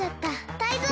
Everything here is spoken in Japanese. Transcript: タイゾウ！